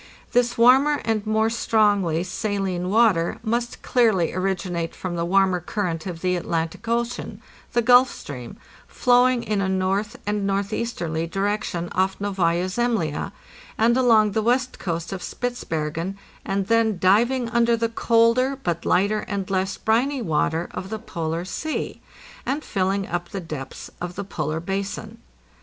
This warmer and more strongly saline water must clearly originate from the warmer current of the Atlantic Ocean (the Gulf Stream), flowing in a north and northeasterly direction off Novaya Zemlya and along the west coast of Spitz bergen, and then diving under the colder, but lighter and less briny, water of the Polar Sea, and filling up the depths of the polar basin.